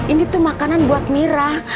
ini tuh makanan buat mirah